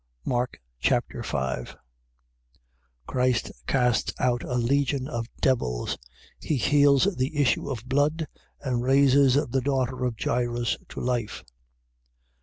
Mark Chapter 5 Christ casts out a legion of devils: he heals the issue of blood, and raises the daughter of Jairus to life.